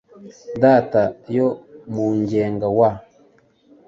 data, yo mugenga wa